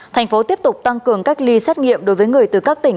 thành phố tiếp tục tăng cường cách ly xét nghiệm đối với người từ các tỉnh